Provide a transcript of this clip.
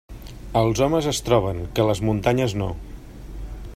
Els homes es troben, que les muntanyes no.